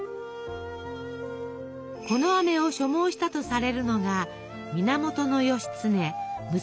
このあめを所望したとされるのが源義経武蔵